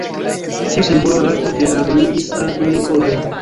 Tiu simbolo rapide aldoniĝis al Unikodo.